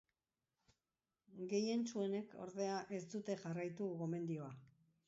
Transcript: Gehientsuenek, ordea, ez dute jarraitu gomendioa.